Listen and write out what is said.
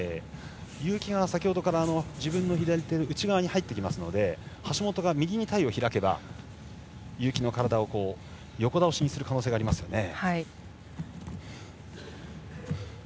結城が先ほどから自分の左手の内側に入ってきますので橋本が右に体を開けば結城の体を横倒しにする可能性がありますね。